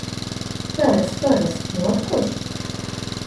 Пырыс, пырыс, мо от коч?